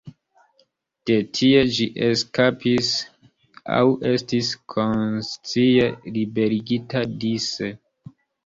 De tie ĝi eskapis aŭ estis konscie liberigita dise.